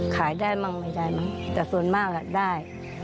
ขายได้มั่งไม่ได้มั้งแต่ส่วนมากได้